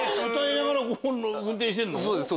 そうです